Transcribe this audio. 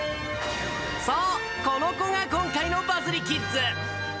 そう、この子が今回のバズリキッズ。